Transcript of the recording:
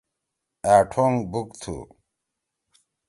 أ ٹھونگ بُک تُھو۔